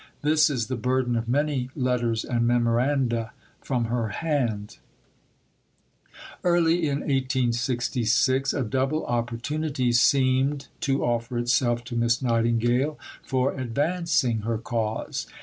This is the burden of many letters and memoranda from her hand. Above, p. 58. Early in 1866 a double opportunity seemed to offer itself to Miss Nightingale for advancing her cause.